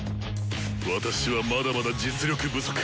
私はまだまだ実力不足！